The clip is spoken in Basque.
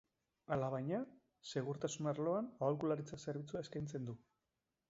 Alabaina, segurtasun arloan aholkularitza zerbitzua eskaintzen du.